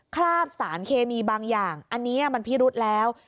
คราบสารเคมีบางอย่างอันนี้มันพิรุษแล้ว